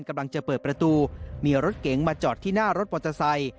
กำลังจะเปิดประตูมีรถเก๋งมาจอดที่หน้ารถมอเตอร์ไซค์